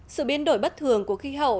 sự biến đổi bất thường của khí hậu